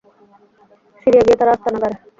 Syria গিয়ে তারা আস্তানা গাড়ে।